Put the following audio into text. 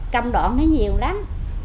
công đoạn nó nhiều lắm